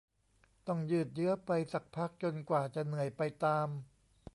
ต้องยืดเยื้อไปสักพักจนกว่าจะเหนื่อยไปตาม